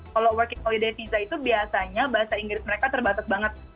kalau working holidatiza itu biasanya bahasa inggris mereka terbatas banget